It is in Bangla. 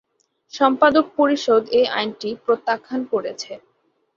সম্পাদক পরিষদ এ আইনটি প্রত্যাখ্যান করেছে।